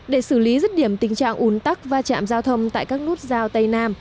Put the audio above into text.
để xử lý dứt điểm tình trạng ùn tắc và chạm giao thông tại các nút giao tây nam